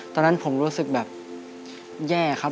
แล้วผมรู้สึกแบบแย่ครับ